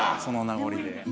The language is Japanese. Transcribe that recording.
その名残で。